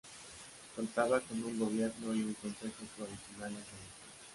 Contaba con un gobierno y un consejo provisionales electos.